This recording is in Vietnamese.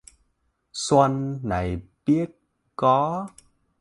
Xuân này biết có